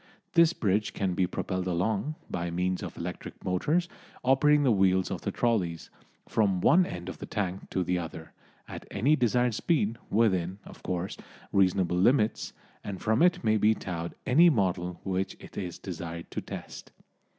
This bridge can be propelled along, by means of electric motors operating the wheels of the trollys, from one end of the tank to the other, at any desired speed, within, of course, reasonable limits, and from it may be towed any model which it is desired to test.